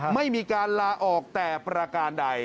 ไม่มีการลาออกแต่ประการใด